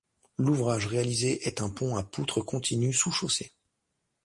L'ouvrage réalisé est un pont à poutres continues sous chaussée.